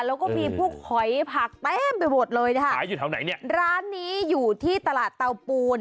แล้วก็มีพวกหอยผักเต็มไปหมดเลยนะคะขายอยู่แถวไหนเนี่ยร้านนี้อยู่ที่ตลาดเตาปูน